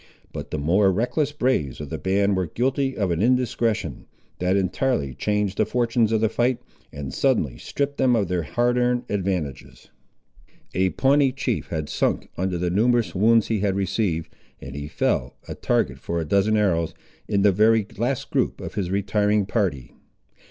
But the more reckless braves of the band were guilty of an indiscretion, that entirely changed the fortunes of the fight, and suddenly stripped them of their hard earned advantages. A Pawnee chief had sunk under the numerous wounds he had received, and he fell, a target for a dozen arrows, in the very last group of his retiring party.